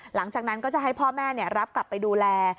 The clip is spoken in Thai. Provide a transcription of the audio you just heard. หลังจากนั้นก็จะให้พ่อแม่รับกลับไปดูแล